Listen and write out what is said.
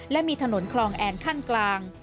และมีถนนคลองแอนขั้นกลาง